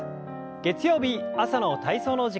月曜日朝の体操の時間です。